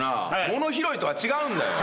物拾いとは違うんだよ。